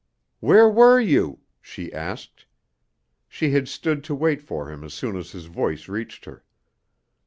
"Where were you?" she asked. She had stood to wait for him as soon as his voice reached her.